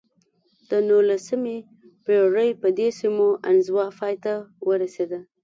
د نولسمې پېړۍ په دې سیمو انزوا پای ته ورسېده.